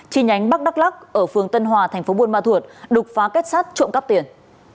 chi nhánh bắc đắk lắc ở phường tân hòa thành phố buôn ma thuột đục phá kết sát trộm cắp tiền